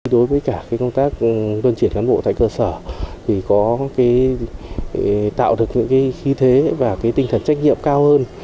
đối với cả công tác luân chuyển cán bộ tại cơ sở thì có tạo được những khí thế và tinh thần trách nhiệm cao hơn